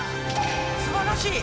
すばらしい！